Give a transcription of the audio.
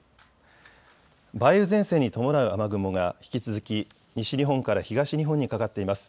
梅雨前線に伴う雨雲が引き続き西日本から東日本にかかっています。